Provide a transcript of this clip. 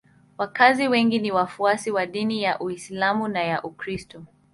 Wakazi wengi ni wafuasi wa dini ya Uislamu na ya Ukristo.